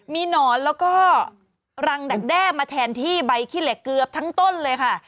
มีหนอนแล้วก็รังดักแด้มาแทนที่ใบขี้เหล็กเกือบทั้งต้นเลยค่ะ